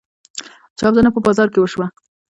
چاودنه په بازار کې وشوه.